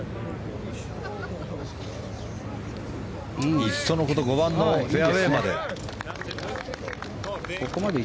いっそのこと５番のフェアウェーまで。